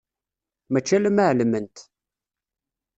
Mačči alamma ɛelment.